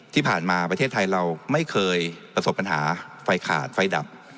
ที่ผ่านมาประเทศไทยเราไม่เคยประสบปัญหาไฟขาดไฟดับ